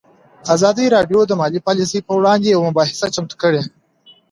ازادي راډیو د مالي پالیسي پر وړاندې یوه مباحثه چمتو کړې.